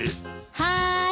はい。